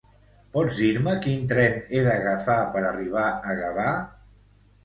Pots dir-me quin tren he d'agafar per arribar a Gavà?